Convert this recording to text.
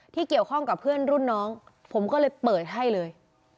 ที่เกี่ยวข้องกับเพื่อนรุ่นน้องผมก็เลยเปิดให้เลย